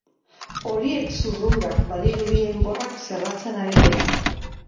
Horiek zurrungak, badirudi enborrak zerratzen ari dela.